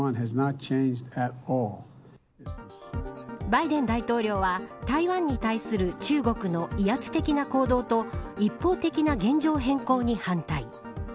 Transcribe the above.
バイデン大統領は台湾に対する中国の威圧的な行動と一方的な現状変更に反対。